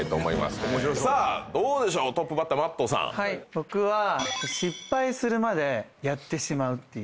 僕は失敗するまでやってしまうっていう。